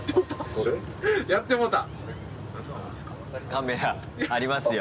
カメラありますよ。